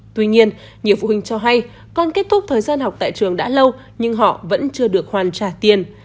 tuy nhiên nhiều phụ huynh cho hay con kết thúc thời gian học tại trường đã lâu nhưng họ vẫn chưa được hoàn trả tiền